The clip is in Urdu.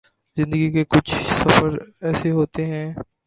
زندگی کے کچھ سفر ایسے ہوتے ہیں